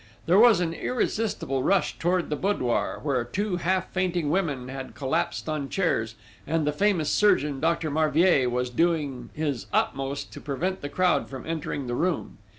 There was an irresistible rush towards the boudoir, where two half fainting women had collapsed on chairs, and the famous surgeon, Dr. Marvier, was doing his utmost to prevent the crowd from entering the room.